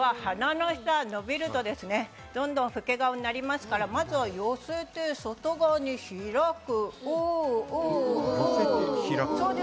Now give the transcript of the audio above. これは鼻の下が伸びると、どんどん老け顔になりますから、まずは寄せて外側に開く。